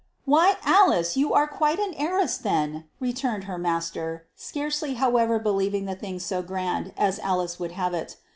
"Why, Alice, you are quite an heiress, then!" returned her master, scarcely however believing the thing so grand as Alice would have it.